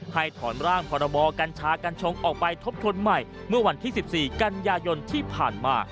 ถอนร่างพรบกัญชากัญชงออกไปทบทวนใหม่เมื่อวันที่๑๔กันยายนที่ผ่านมา